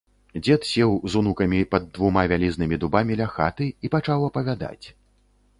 Дзед сеў з унукамі пад двума вялізнымі дубамі ля хаты і пачаў апавядаць.